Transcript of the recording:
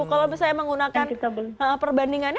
kalau misalnya menggunakan perbandingannya